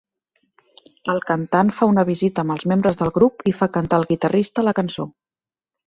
El cantant fa una visita amb els membres del grup i fa cantar el guitarrista la cançó